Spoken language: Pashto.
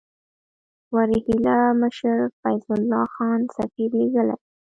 روهیله مشر فیض الله خان سفیر لېږلی.